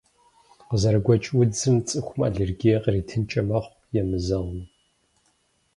Къызэрыгуэкӏ удзым цӏыхум аллергие къритынкӏэ мэхъу, емызэгъыу.